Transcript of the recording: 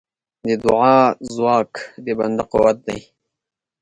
د دعا ځواک د بنده قوت دی.